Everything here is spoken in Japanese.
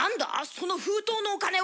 その封筒のお金は。